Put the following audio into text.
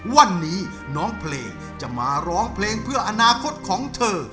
วันนี้น้องเพลงจะมาร้องเพลงเพื่ออนาคตของเธอ